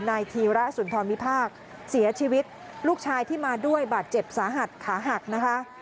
นายธีระสุนทรวิพากษ์เสียชีวิตลูกชายที่มาด้วยบาดเจ็บสาหัสขาหักนะคะ